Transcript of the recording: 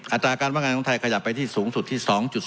อัตราการว่างงานของไทยขยับไปที่สูงสุดที่๒๔